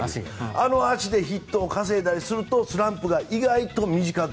あの足でヒットを稼いだりするとスランプが意外と短く。